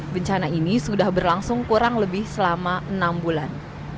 bencana ini sudah berlangsung kurang lebih selama enam bulan